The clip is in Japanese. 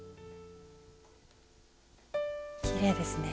きれいですね。